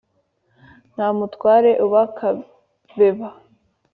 Nta Mutware uba Kabeba